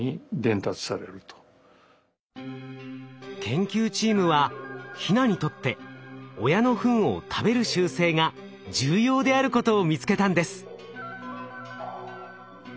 研究チームはヒナにとって親のフンを食べる習性が重要であることを見つけたんです。